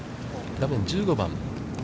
画面１５番。